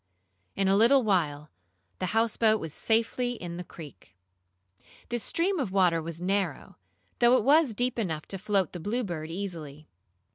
In a little while the houseboat was safely in the creek. This stream of water was narrow, though it was deep enough to float the Bluebird easily.